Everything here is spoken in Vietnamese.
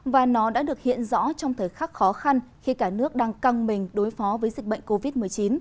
và nó đã được hiện rõ trong thời khắc khó khăn khi cả nước đang căng mình đối phó với dịch bệnh covid một mươi chín